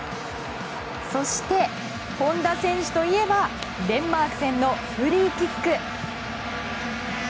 そして、本田選手といえばデンマーク戦のフリーキック。